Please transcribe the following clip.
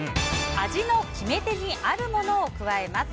味の決め手にあるものを加えます。